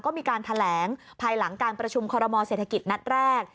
ก็มีการแถลงภายหลังการประชุมคอรมอเศรษฐกิจนัดแรก